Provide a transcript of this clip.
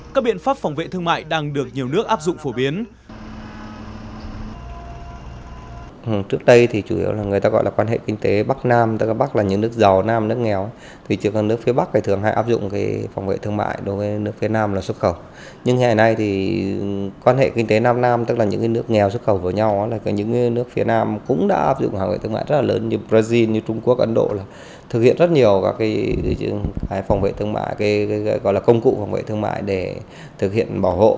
các biện pháp phòng vệ thương mại đang được nhiều nước áp dụng phổ biến